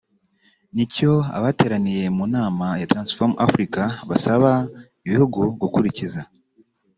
nicyo abateraniye mu nama ya Transform Afrika basaba ibihugu gukurikiza